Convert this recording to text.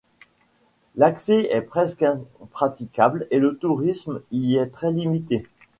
L’accès est presque impraticable et le tourisme y est très limité.